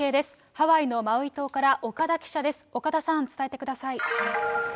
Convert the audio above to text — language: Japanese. ハワイのマウイ島から岡田記者です。